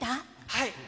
はい。